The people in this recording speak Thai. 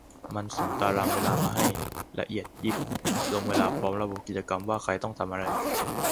มันส่งตารางเวลามาให้ ! ละเอียดยิบ ลงเวลาพร้อมระบุกิจกรรมว่าใครต้องทำอะไร